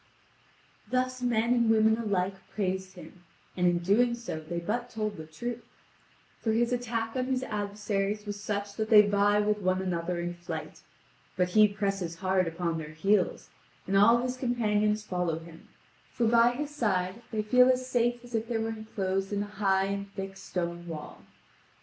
Thus men and women alike praised him, and in doing so they but told the truth. For his attack on his adversaries was such that they vie with one another in flight. But he presses hard upon their heels, and all his companions follow him, for by his side they feel as safe as if they were enclosed in a high and thick stone wall.